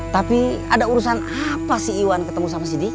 tapi ada urusan apa si iwan ketemu sama si dedy